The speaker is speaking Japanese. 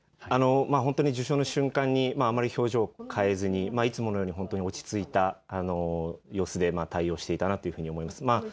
本当に受賞の瞬間にあまり表情を変えずにいつものように本当に落ち着いた様子で対応していたなというふうに思います。